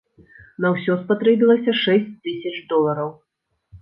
На ўсё спатрэбілася шэсць тысяч долараў.